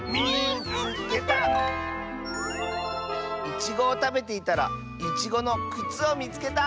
「いちごをたべていたらいちごのくつをみつけた！」。